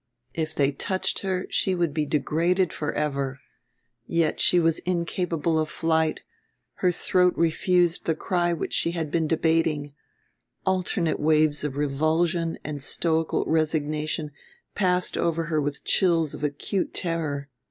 If they touched her she would be degraded for ever. Yet she was incapable of flight, her throat refused the cry which she had been debating; alternate waves of revulsion and stoical resignation passed over her with chills of acute terror.